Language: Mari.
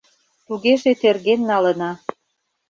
— Тугеже терген налына.